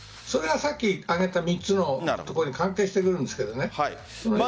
それはさっき挙げた３つのところに関係しているんですけど。